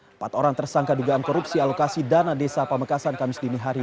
empat orang tersangka dugaan korupsi alokasi dana desa pamekasan kamis dinihari